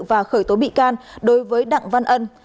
và khởi tố bị can đối với đặng văn ân